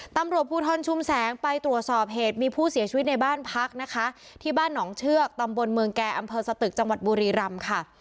ตำรวจภูทรชุมแสงไปตรวจสอบเหตุมีผู้เสียชีวิตในบ้านพักนะคะที่บ้านหนองเชือกตำบลเมืองแก่อำเภอสตึกจังหวัดบุรีรำค่ะ